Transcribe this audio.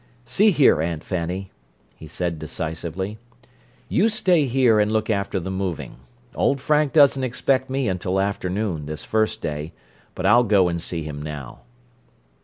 "See here, Aunt Fanny," he said decisively. "You stay here and look after the moving. Old Frank doesn't expect me until afternoon, this first day, but I'll go and see him now."